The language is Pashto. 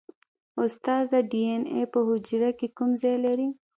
استاده ډي این اې په حجره کې کوم ځای لري